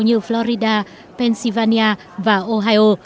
như florida pennsylvania và ohio